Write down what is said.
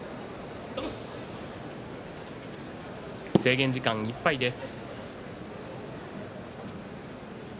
制限時間いっぱいです。